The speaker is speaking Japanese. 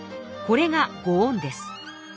これがご恩です。